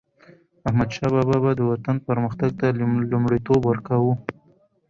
احمدشاه بابا به د وطن پرمختګ ته لومړیتوب ورکاوه.